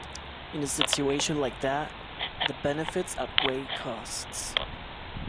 In a situation like that, the benefits outweigh costs.